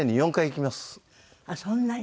あっそんなに？